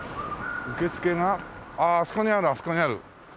受付があああそこにあるあそこにある。